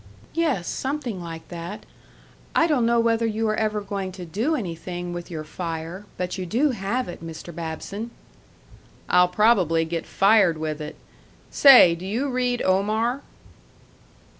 "Yes, something like that. I don't know whether you are ever going to do anything with your fire, but you do have it, Mr. Babson!" "I'll probably get fired with it.... Say, do you read Omar?"